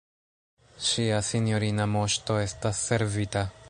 Ŝia sinjorina Moŝto estas servita!